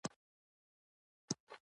هندوکش د افغانانو ژوند اغېزمن کوي.